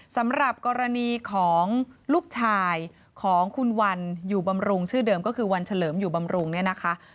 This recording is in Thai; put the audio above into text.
สำหรับกรณีของลูกชายของคุณวันอยู่บำรุงชื่อเดิมก็คือวันเฉลิมอยู่บำรุงเนี่ยนะคะ